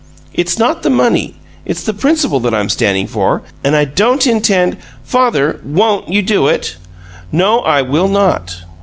"It's not the money. It's the principle that I'm standing for, and I don't intend " "Father, WON'T you do it?" "No, I will not!"